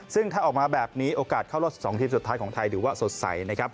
ซึ่งถ้าออกมาแบบนี้โอกาสเข้ารสสองทีมสุดท้ายของไทยสดใส